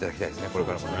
これからもね。